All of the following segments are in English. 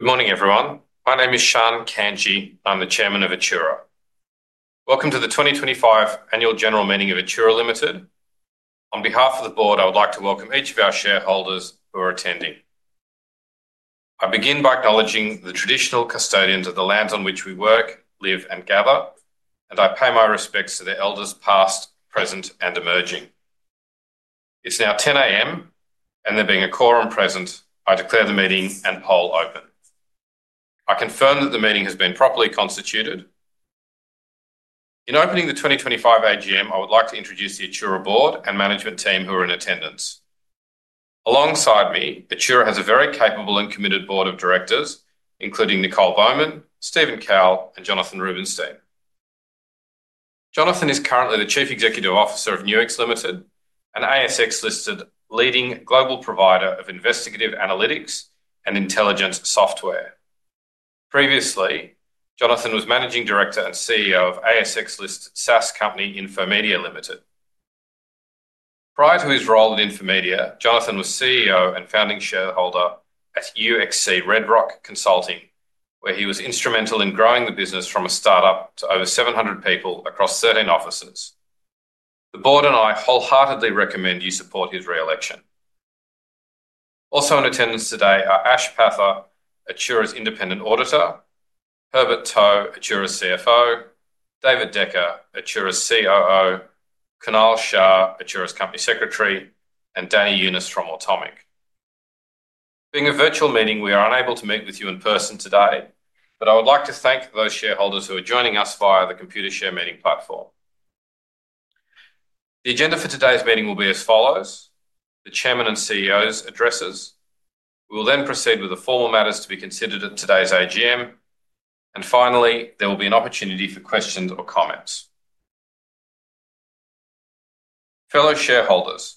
Good morning everyone. My name is Sian Kanji. I'm the Chairman of Atturra. Welcome to the 2025 Annual General Meeting of Atturra Limited. On behalf of the Board, I would like to welcome each of our shareholders who are attending. I begin by acknowledging the traditional custodians of the lands on which we work, live and gather and I pay my respects to the elders past, present and emerging. It's now 10:00 A.M. and there being a quorum present, I declare the meeting and poll open. I confirm that the meeting has been properly constituted. In opening the 2025 AGM, I would like to introduce the Atturra Board and management team who are in attendance alongside me. Atturra has a very capable and committed Board of Directors including Nicole Bowman, Stephen Kowal and Jonathan Rubinsztein. Jonathan is currently the Chief Executive Officer of Nuix Limited, an ASX-listed leading global provider of investigative analytics and intelligence software. Previously, Jonathan was Managing Director and CEO of ASX-listed SaaS Co. Infomedia Ltd. Prior to his role in Infomedia, Jonathan was CEO and founding shareholder at UXC Red Rock Consulting where he was instrumental in growing the business from a startup to over 700 people across 13 offices. The Board and I wholeheartedly recommend you support his re-election. Also in attendance today are Ash Pather, Atturra's independent auditor, Herbert To, Atturra's CFO, David Deacon, Atturra's COO, Kunal Shah, Atturra's Company Secretary and Danny Younis from Automic. Being a virtual meeting, we are unable to meet with you in person today, but I would like to thank those shareholders who are joining us via the Computershare meeting platform. The agenda for today's meeting will be as follows: the Chairman and CEO's addresses. We will then proceed with the formal matters to be considered at today's AGM and finally there will be an opportunity for questions or comments. Fellow shareholders,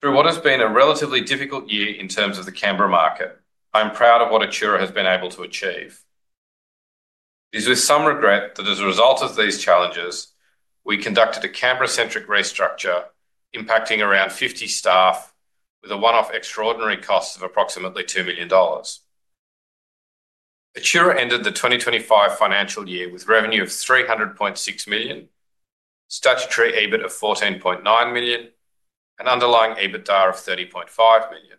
through what has been a relatively difficult year in terms of the Canberra market, I am proud of what Atturra has been able to achieve. It is with some regret that as a result of these challenges we conducted a Canberra-centric restructure impacting around 50 staff with a one-off extraordinary cost of approximately $2 million. Atturra ended the 2025 financial year with revenue of $300.6 million, statutory EBIT of $14.9 million and underlying EBITDA of $30.5 million.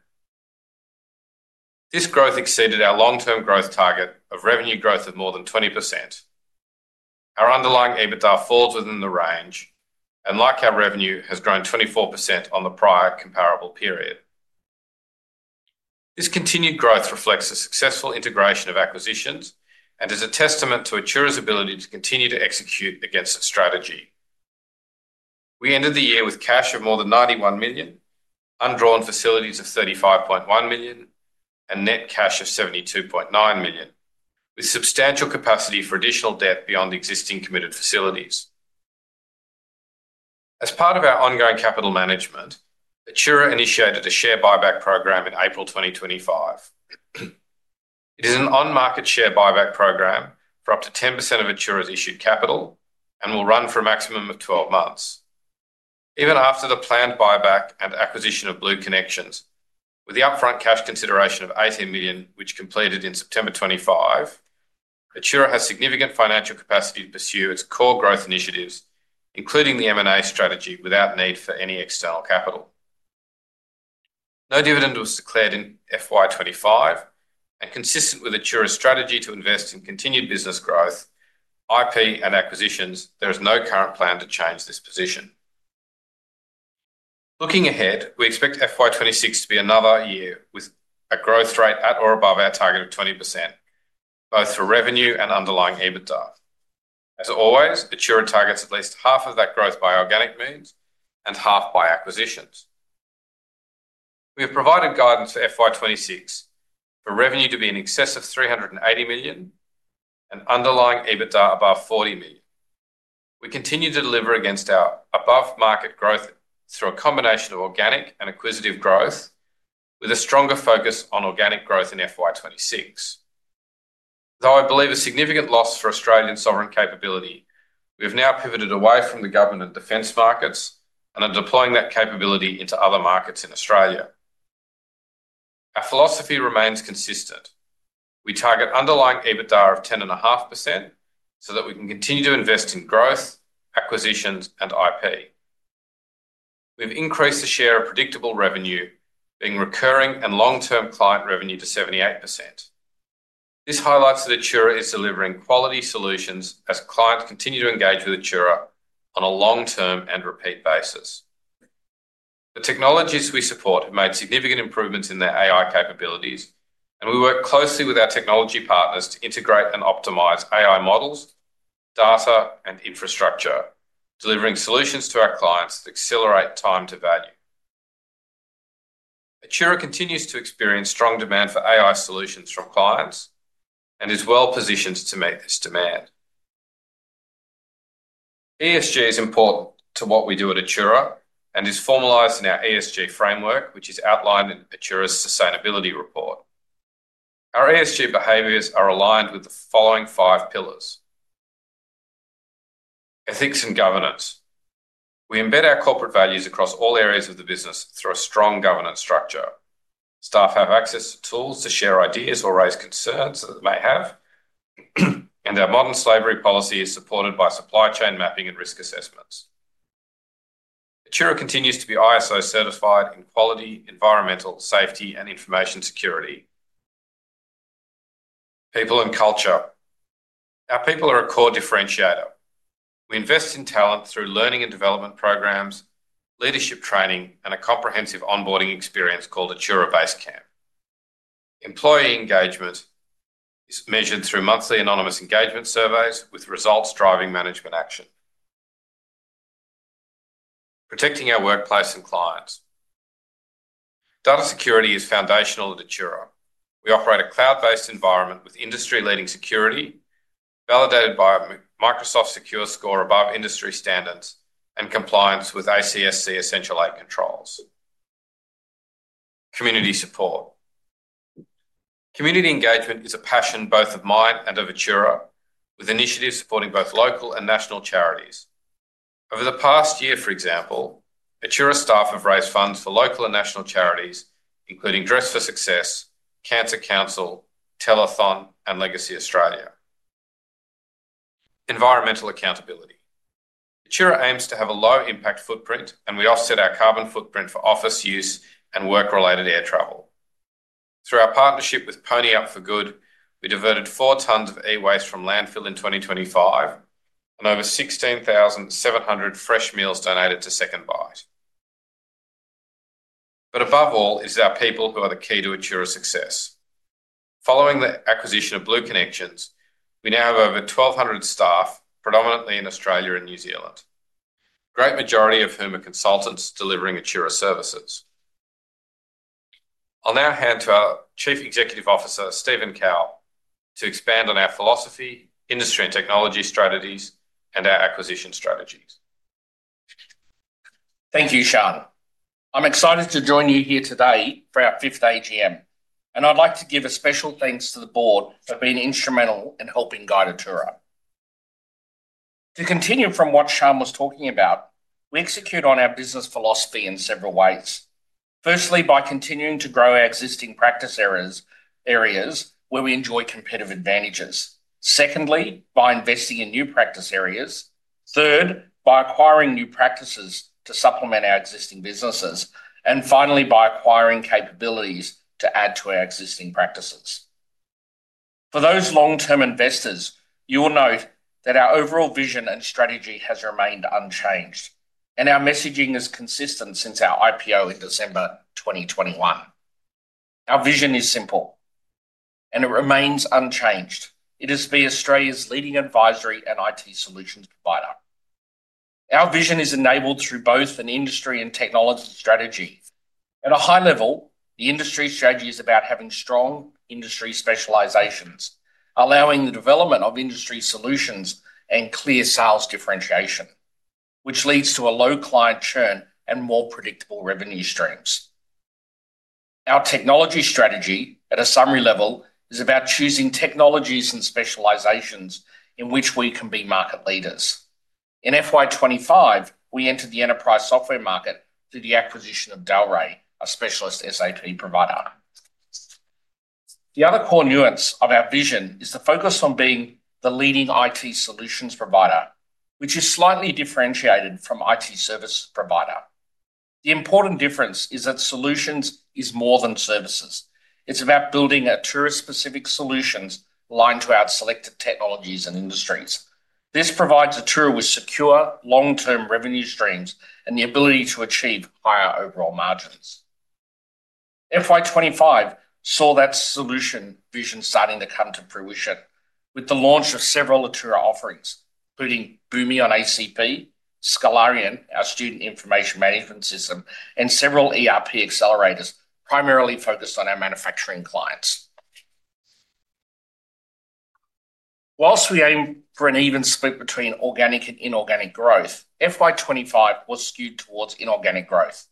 This growth exceeded our long-term growth target of revenue growth of more than 20%. Our underlying EBITDA falls within the range and, like our revenue, has grown 24% on the prior comparable period. This continued growth reflects the successful integration of acquisitions and is a testament to Atturra's ability to continue to execute against its strategy. We ended the year with cash of more than $91 million, undrawn facilities of $35.1 million, and net cash of $72.9 million, with substantial capacity for additional debt beyond existing committed facilities. As part of our ongoing capital management, Atturra initiated a share buyback program in April 2025. It is an on-market share buyback program for up to 10% of Atturra's issued capital and will run for a maximum of 12 months. Even after the planned buyback and acquisition of Blue Connections, with the upfront cash consideration of $18 million which completed in September 2025, Atturra has significant financial capacity to pursue its core growth initiatives, including the M&A strategy, without need for any external capital. No dividend was declared in FY25 and this is consistent with Atturra's strategy to invest in continued business growth, IP, and acquisitions. There is no current plan to change this position. Looking ahead, we expect FY26 to be another year with a growth rate at or above our target of 20% both for revenue and underlying EBITDA. As always, Atturra targets at least half of that growth by organic means and half by acquisitions. We have provided guidance for FY26 for revenue to be in excess of $380 million and underlying EBITDA above $40 million. We continue to deliver against our above-market growth through a combination of organic and acquisitive growth, with a stronger focus on organic growth in FY26. Though I believe a significant loss for Australian sovereign capability, we have now pivoted away from the government defense markets and are deploying that capability into other markets in Australia. Our philosophy remains consistent. We target underlying EBITDA of 10.5% so that we can continue to invest in growth, acquisitions, and IP. We've increased the share of predictable revenue being recurring and long-term client revenue to 78%. This highlights that Atturra is delivering quality solutions as clients continue to engage with Atturra on a long-term and repeat basis. The technologies we support have made significant improvements in their AI capabilities, and we work closely with our technology partners to integrate and optimize AI models, data, and infrastructure, delivering solutions to our clients that accelerate time to value. Atturra continues to experience strong demand for AI solutions from clients and is well positioned to meet this demand. ESG is important to what we do at Atturra and is formalized in our ESG framework, which is outlined in Atturra's Sustainability Report. Our ESG behaviors are aligned with the following five Ethics and Governance. We embed our corporate values across all areas of the business through a strong governance structure. Staff have access to tools to share ideas or raise concerns that they may have, and our modern slavery policy is supported by supply chain mapping and risk assessments. Atturra continues to be ISO certified in quality, environmental, safety, and information security. People and Culture Our people are a core differentiator. We invest in talent through learning and development programs, leadership training, and a comprehensive onboarding experience called Atturra Basecamp. Employee engagement is measured through monthly anonymous engagement surveys, with results driving management action protecting our workplace and clients. Data security is foundational at Atturra. We operate a cloud-based environment with industry-leading security validated by Microsoft Secure Score above industry standards and compliance with ACSC Essential 8 controls. Community support and community engagement is a passion both of mine and of Atturra, with initiatives supporting both local and national charities. Over the past year, for example, Atturra staff have raised funds for local and national charities including Dress for Success, Cancer Council, Telethon, and Legacy Australia. Environmental Accountability Atturra aims to have a low impact footprint, and we offset our carbon footprint for office use and work-related air travel. Through our partnership with PonyUp for Good, we diverted 4 tonnes of e-waste from landfill in 2025 and over 16,700 fresh meals donated to SecondBite. Above all, it is our people who are the key to Atturra's success. Following the acquisition of Blue Connections, we now have over 1,200 staff, predominantly in Australia and New Zealand, the great majority of whom are consultants delivering Atturra services. I'll now hand to our Chief Executive Officer Stephen Kowal to expand on our philosophy, industry and technology strategies, and our acquisition strategies. Thank you Sian. I'm excited to join you here today for our fifth AGM and I'd like to give a special thanks to the Board for being instrumental in helping guide Atturra to continue. From what Sian was talking about, we execute on our business philosophy in several ways. Firstly, by continuing to grow our existing practice areas where we enjoy competitive advantages. Secondly, by investing in new practice areas. Third, by acquiring new practices to supplement our existing businesses, and finally by acquiring capabilities to add to our existing practices. For those long term investors, you will note that our overall vision and strategy has remained unchanged and our messaging is consistent since our IPO in December 2021. Our vision is simple and it remains unchanged. It is to be Australia's leading advisory and IT solutions provider. Our vision is enabled through both an industry and technology strategy. At a high level, the industry strategy is about having strong industry specializations, allowing the development of industry solutions and clear sales differentiation, which leads to a low client churn and more predictable revenue streams. Our technology strategy at a summary level is about choosing technologies and specializations in which we can be market leaders. In FY25, we entered the enterprise software market through the acquisition of Delrai Solutions, a specialist SAP provider. The other core nuance of our vision is the focus on being the leading IT solutions provider, which is slightly differentiated from IT services provider. The important difference is that solutions is more than services, it's about building Atturra-specific solutions aligned to our selected technologies and industries. This provides Atturra with secure long term revenue streams and the ability to achieve higher overall margins. FY25 saw that solutions vision starting to come to fruition with the launch of several Atturra offerings including Boomi on Atturra Cloud Platform for Boomi, Skolarian, our student information management system, and several ERP accelerators primarily focused on our manufacturing clients. Whilst we aim for an even split between organic and inorganic growth, FY25 was skewed towards inorganic growth,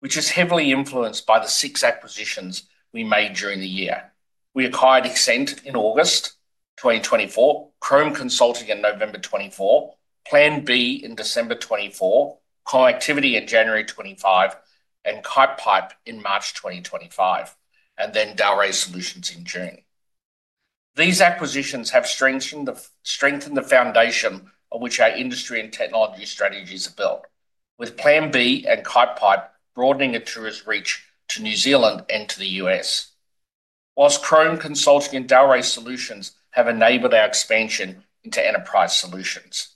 which is heavily influenced by the six acquisitions we made during the year. We acquired Accent in August 2024, Chrome Consulting in November 2024, Plan B in December 2024, Connectivity in January 2025, Kitepipe in March 2025, and then Delrai Solutions in June. These acquisitions have strengthened the foundation on which our industry and technology strategies are built, with Plan B and Kitepipe broadening Atturra's reach to New Zealand and to the U.S. Whilst Chrome Consulting and Delrai Solutions have enabled our expansion into enterprise solutions,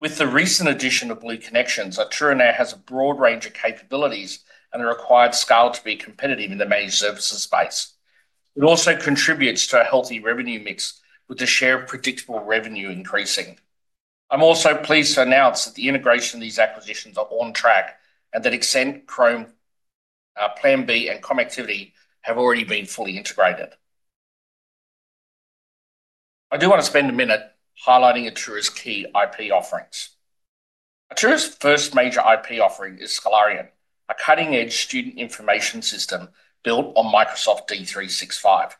with the recent addition of Blue Connections, Atturra now has a broad range of capabilities and the required scale to be competitive in the managed services space. It also contributes to a healthy revenue mix, with the share of predictable revenue increasing. I'm also pleased to announce that the integration of these acquisitions is on track and that Accent, Chrome Consulting, Plan B, and Connectivity have already been fully integrated. I do want to spend a minute highlighting Atturra's key IP offerings. Atturra's first major IP offering is Skolarian, a cutting-edge student information system built on Microsoft D365.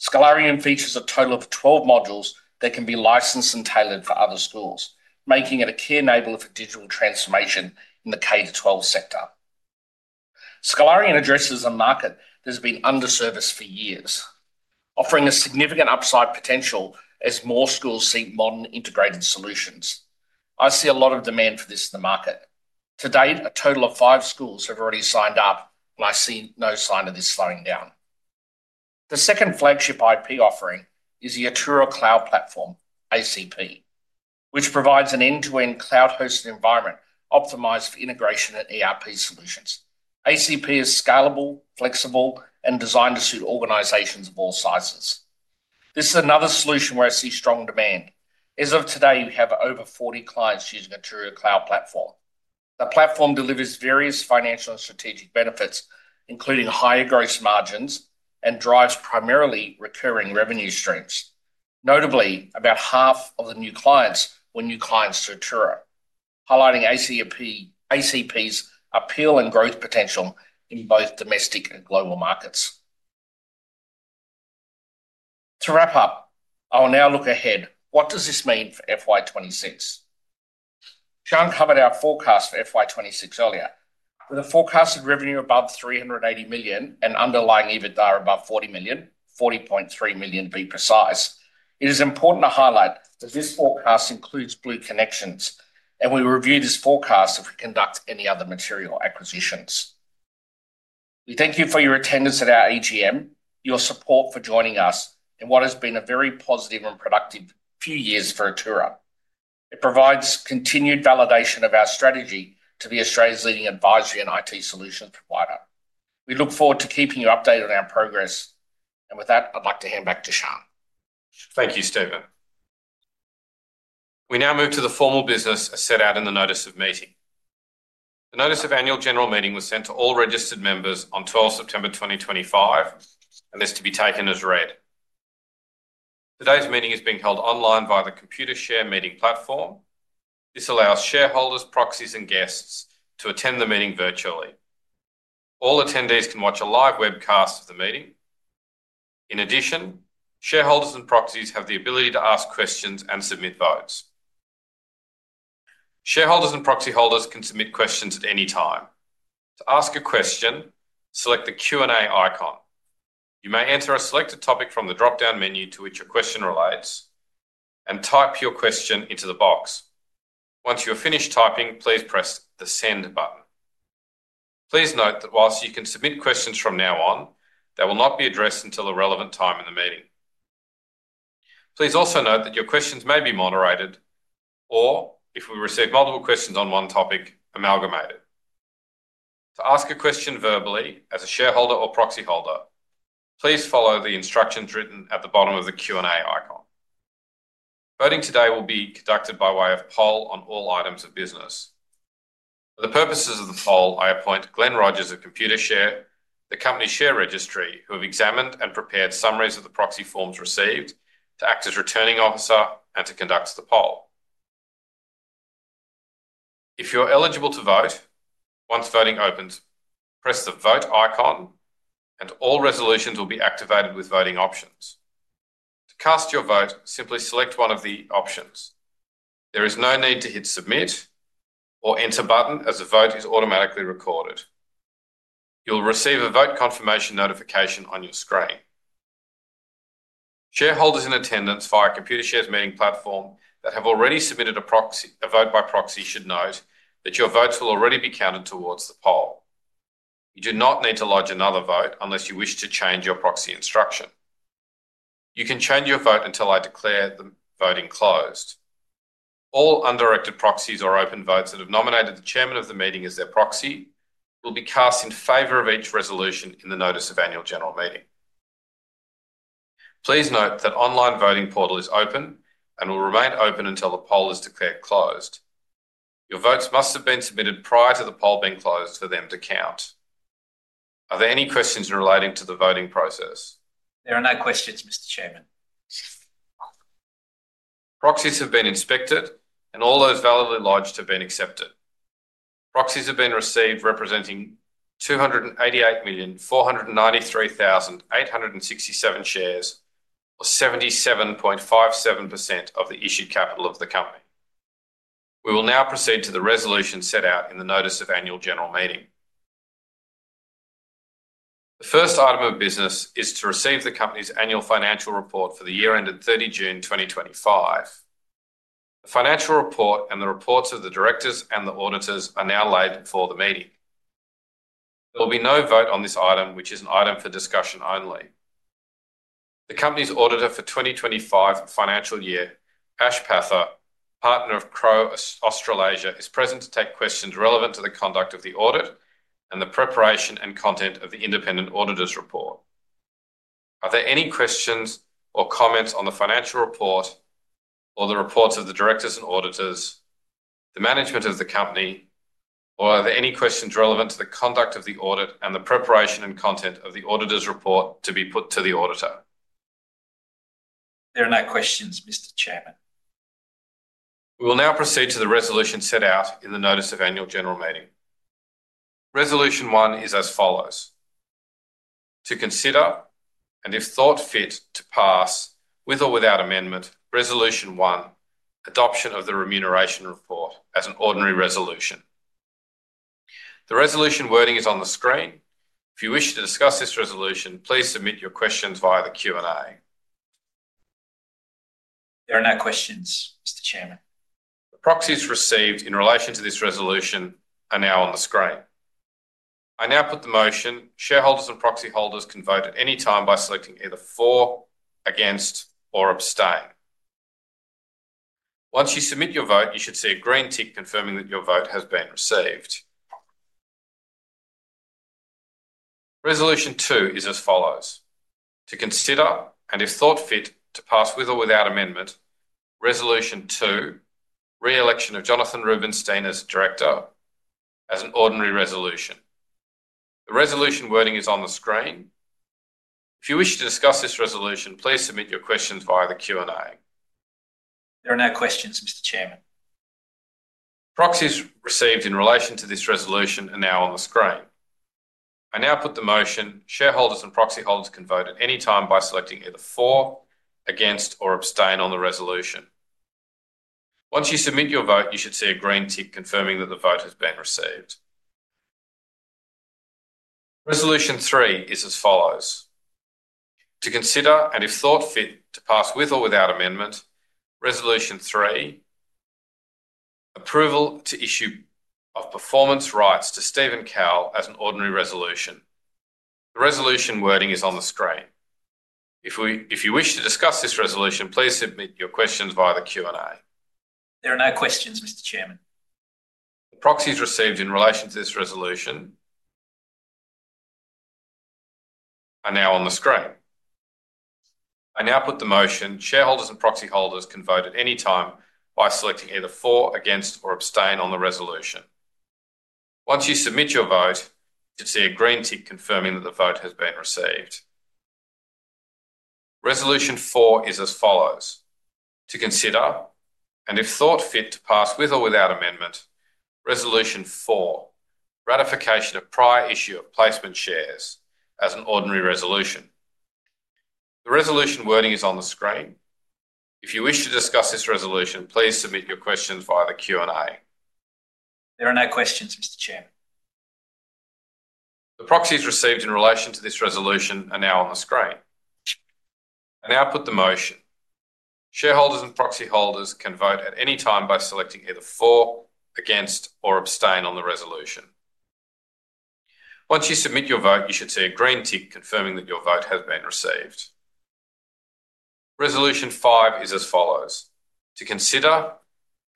Skolarian features a total of 12 modules that can be licensed and tailored for other schools, making it a key enabler for digital transformation in the K-12 sector. Skolarian addresses a market that has been under-serviced for years, offering a significant upside potential as more schools seek modern integrated solutions. I see a lot of demand for this in the market today. A total of five schools have already signed up and I see no sign of this slowing down. The second flagship IP offering is the Atturra Cloud Platform for Boomi (ACP), which provides an end-to-end cloud-hosted environment optimized for integration and ERP solutions. ACP is scalable, flexible, and designed to suit organizations of all sizes. This is another solution where I see strong demand. As of today, we have over 40 clients using Atturra Cloud Platform for Boomi. The platform delivers various financial and strategic benefits, including higher gross margins, and drives primarily recurring revenue streams. Notably, about half of the new clients were new clients to Atturra, highlighting ACP's appeal and growth potential in both domestic and global markets. To wrap up, I will now look ahead. What does this mean for FY26? Sian covered our forecast for FY26 earlier, with a forecasted revenue above $380 million and underlying EBITDA above $40 million, $40.3 million to be precise. It is important to highlight that this forecast includes Blue Connections and we review this forecast if we conduct any other material acquisitions. We thank you for your attendance at our AGM, your support for joining us in what has been a very positive and productive few years for Atturra. It provides continued validation of our strategy to be Australia's leading advisory and IT solutions provider. We look forward to keeping you updated on our progress, and with that I'd like to hand back to Sian. Thank you, Stephen. We now move to the formal business as set out in the Notice of Meeting. The Notice of Annual General Meeting was sent to all registered members on 12th September 2025 and is to be taken as read. Today's meeting is being held online via the Computershare Meeting platform. This allows shareholders, proxies, and guests to attend the meeting virtually. All attendees can watch a live webcast of the meeting. In addition, shareholders and proxies have the ability to ask questions and submit votes. Shareholders and proxy holders can submit questions at any time. To ask a question, select the Q and A icon. You may enter a selected topic from the drop-down menu to which your question relates and type your question into the box. Once you are finished typing, please press the Send button. Please note that while you can submit questions from now on, they will not be addressed until a relevant time in the meeting. Please also note that your questions may be moderated or, if we receive multiple questions on one topic, amalgamated to ask a question verbally. As a shareholder or proxy holder, please follow the instructions written at the bottom of the Q and A icon. Voting today will be conducted by way of poll on all items of business. For the purposes of the poll, I appoint Glenn Rogers at Computershare, the company share registry, who have examined and prepared summaries of the proxy forms received, to act as Returning Officer and to conduct the poll if you're eligible to vote. Once voting opens, press the vote icon and all resolutions will be activated with voting options. To cast your vote, simply select one of the options. There is no need to hit Submit or Enter button as the vote is automatically recorded. You will receive a vote confirmation notification on your screen. Shareholders in attendance via Computershare's meeting platform that have already submitted a vote by proxy should note that your votes will already be counted towards the poll. You do not need to lodge another vote unless you wish to change your proxy instruction. You can change your vote until I declare the voting closed. All undirected proxies or open votes that have nominated the Chairman of the Meeting as their proxy will be cast in favor of each resolution in the Notice of Annual General Meeting. Please note that the online voting portal is open and will remain open until the poll is declared closed. Your votes must have been submitted prior to the poll being closed for them to count. Are there any questions relating to the voting process? There are no questions, Mr. Chairman. Proxies have been inspected and all those validly lodged have been accepted. Proxies have been received representing 288,493,867 shares or 77.57% of the issued capital of the Company. We will now proceed to the resolution set out in the Notice of Annual General Meeting. The first item of business is to receive the Company's annual financial report for the year ended 30 June 2025. The financial report and the reports of the Directors and the Auditors are now laid before the meeting. There will be no vote on this item, which is an item for discussion. Only the Company's auditor for the 2025 financial year, Ash Patha, Partner of Crowe Australasia, is present to take questions relevant to the conduct of the audit and the preparation and content of the Independent Auditor's report. Are there any questions or comments on the financial report or the reports of the Directors and Auditors, the management of the Company, or are there any questions relevant to the conduct of the audit and the preparation and content of the Auditor's report to be put to the Auditor. There are no questions, Mr. Chairman. We will now proceed to the resolution set out in the Notice of Annual General Meeting. Resolution 1 is to consider and, if thought fit, to pass with or without amendment, Resolution 1 adoption of the remuneration report as an ordinary resolution. The resolution wording is on the screen. If you wish to discuss this resolution, please submit your questions via the Q and A. There are no questions, Mr. Chairman. The proxies received in relation to this resolution are now on the screen. I now put the motion. Shareholders and proxy holders can vote at any time by selecting either for, against, or abstain. Once you submit your vote, you should see a green tick confirming that your vote has been received. Resolution 2 is as follows: to consider and, if thought fit, to pass with or without amendment. Resolution 2, re-election of Jonathan Rubinsztein as Director, as an ordinary resolution. The resolution wording is on the screen. If you wish to discuss this resolution, please submit your questions via the Q and A. There are no questions, Mr. Chairman. Proxies received in relation to this resolution are now on the screen. I now put the motion. Shareholders and proxy holders can vote at any time by selecting either for, against, or abstain on the resolution. Once you submit your vote, you should see a green tick confirming that the vote has been received. Resolution 3 is to consider and, if thought fit, to pass with or without amendment. Resolution 3 approval to issue of performance rights to Stephen Kowal as an ordinary resolution. The resolution wording is on the screen. If you wish to discuss this resolution, please submit your questions via the Q and A. There are no questions, Mr. Chairman. The proxies received in relation to this resolution are now on the screen. I now put the motion. Shareholders and proxy holders can vote at any time by selecting either for, against, or abstain on the resolution. Once you submit your vote, you see a green tick confirming that the vote has been received. Resolution 4 is to consider and, if thought fit, to pass with or without amendment. Resolution 4: Ratification of prior issue of placement shares as an ordinary resolution. The resolution wording is on the screen. If you wish to discuss this resolution, please submit your questions via the Q and A. There are no questions, Mr. Chairman. The proxies received in relation to this resolution are now on the screen. I now put the motion. Shareholders and proxy holders can vote at any time by selecting either for, against, or abstain on the resolution. Once you submit your vote, you should see a green tick confirming that your vote has been received. Resolution 5 is as follows: to consider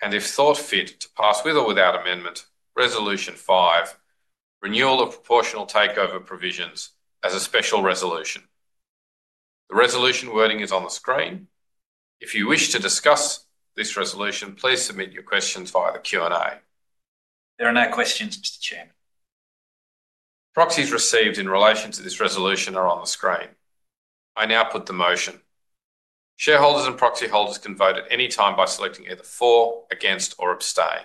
and, if thought fit, to pass, with or without amendment. Resolution 5, renewal of proportional takeover provisions as a special resolution. The resolution wording is on the screen. If you wish to discuss this resolution, please submit your questions via the Q and A. There are no questions, Mr. Chairman. Proxies received in relation to this resolution are on the screen. I now put the motion. Shareholders and proxy holders can vote at any time by selecting either for, against, or abstain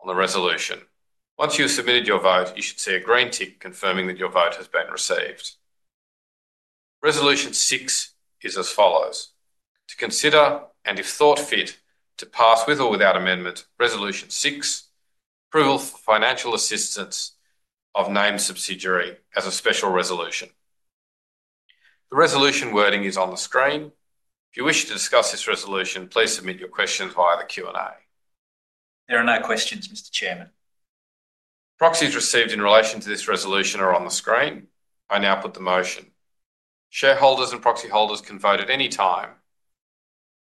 on the resolution. Once you have submitted your vote, you should see a green tick confirming that your vote has been received. Resolution 6 is to consider and, if thought fit, to pass with or without amendment, Resolution 6, approval for financial assistance of named subsidiary as a special resolution. The resolution wording is on the screen. If you wish to discuss this resolution, please submit your questions via the Q and A. There are no questions, Mr. Chairman. Proxies received in relation to this resolution are on the screen. I now put the motion. Shareholders and proxy holders can vote at any time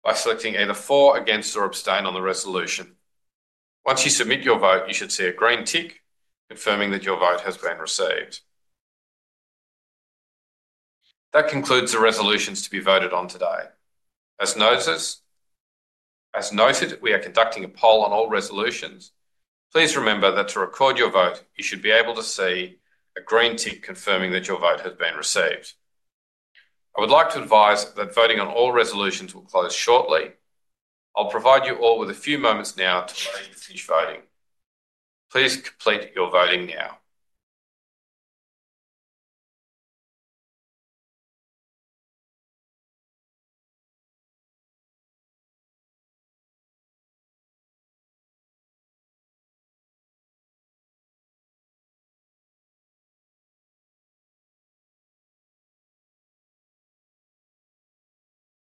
by selecting either for, against, or abstain on the resolution. Once you submit your vote, you should see a green tick confirming that your vote has been received. That concludes the resolutions to be voted on today. As noted, we are conducting a poll on all resolutions. Please remember that to record your vote, you should be able to see a green tick confirming that your vote has been received. I would like to advise that voting on all resolutions will close shortly. I'll provide you all with a few moments now to allow you to finish voting. Please complete your voting now.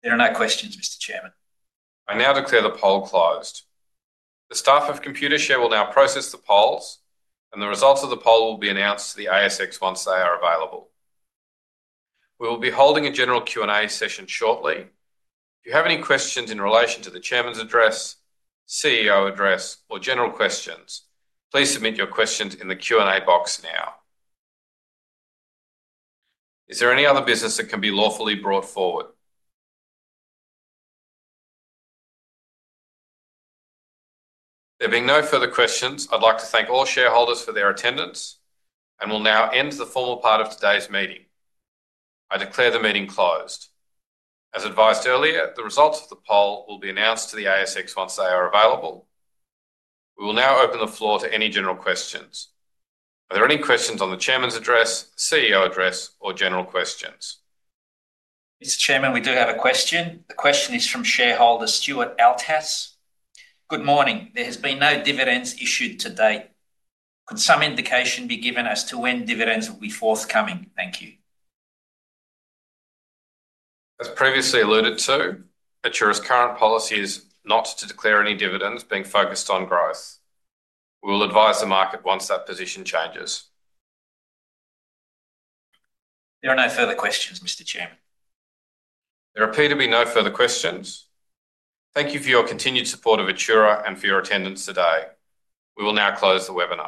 There are no questions, Mr. Chairman. I now declare the poll closed. The staff of Computershare will now process the polls, and the results of the poll will be announced to the ASX once they are available. We will be holding a general Q and A session shortly. If you have any questions in relation to the Chairman's address, CEO address, or general questions, please submit your questions in the Q and A box now. Is there any other business that can be lawfully brought forward? There being no further questions, I'd like to thank all shareholders for their attendance and will now end the formal part of today's meeting. I declare the meeting closed. As advised earlier, the results of the poll will be announced to the ASX once they are available. We will now open the floor to any general questions. Are there any questions on the Chairman's address, CEO address, or general questions? Mr. Chairman, we do have a question. The question is from shareholder Stuart Althass. Good morning. There has been no dividends issued to date. Could some indication be given as to when dividends will be forthcoming? Thank you. As previously alluded to, Atturra's current policy is not to declare any dividends, being focused on growth. We will advise the market once that position changes. There are no further questions. Mr. Chairman, there appear to be no further questions. Thank you for your continued support of Atturra and for your attendance today. We will now close the webinar.